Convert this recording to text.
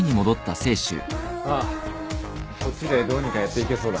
ああこっちでどうにかやっていけそうだ。